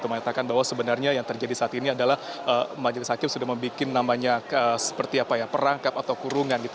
mengatakan bahwa sebenarnya yang terjadi saat ini adalah majelis hakim sudah membuat perangkap atau kurungan